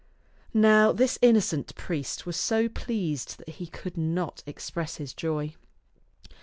Now this innocent priest was so pleased that he could not express his joy.